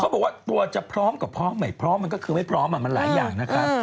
บอกว่าตัวจะพร้อมกับพร้อมไม่พร้อมมันก็คือไม่พร้อมมันหลายอย่างนะครับ